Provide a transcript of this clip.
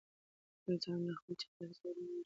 انسان له خپل چاپیریال سره ژوره مینه لري.